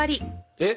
えっ？